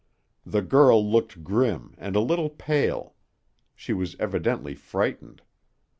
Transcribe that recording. The girl looked grim and a little pale. She was evidently frightened.